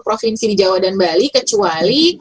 provinsi di jawa dan bali kecuali